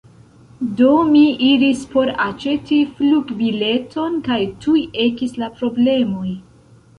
Do mi iris por aĉeti flugbileton, kaj tuj ekis la problemoj.